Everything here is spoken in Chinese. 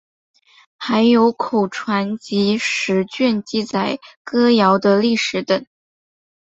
还有口传集十卷记载歌谣的历史等。